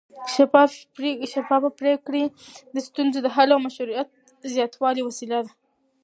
شفافه پرېکړې د ستونزو د حل او مشروعیت د زیاتوالي وسیله دي